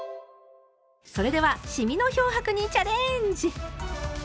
それではシミの漂白にチャレンジ！